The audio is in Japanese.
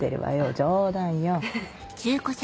冗談よ。